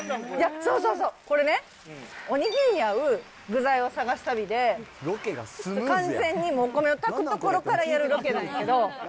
そうそうそう、これね、おにぎりに合う具材を探す旅で、完全に炊くところからやるロケなんやけど。